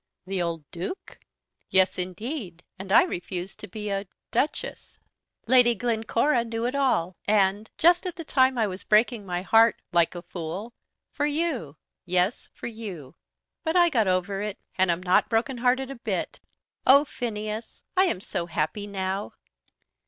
"The old Duke?" "Yes, indeed, and I refused to be a duchess. Lady Glencora knew it all, and, just at the time I was breaking my heart, like a fool, for you! Yes, for you! But I got over it, and am not broken hearted a bit. Oh, Phineas, I am so happy now."